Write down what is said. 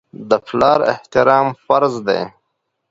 د پلار احترام فرض دی.